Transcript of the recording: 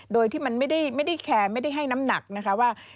โดยที่มันไม่ได้แคร์ไม่ได้ให้น้ำหนักนะคะว่า